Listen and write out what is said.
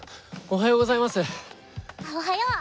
おはよう。